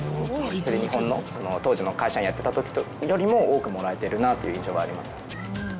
日本の当時の会社員やってた時よりも多くもらえてるなという印象があります。